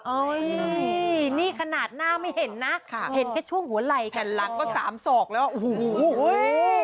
อุ๊ยนี่ขนาดหน้าไม่เห็นนะเห็นแค่ช่วงหัวไหล่แผ่นลักษณ์ก็๓ศอกแล้วอุ๊ย